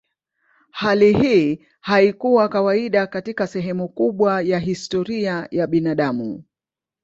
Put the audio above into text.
Hali hii haikuwa kawaida katika sehemu kubwa ya historia ya binadamu.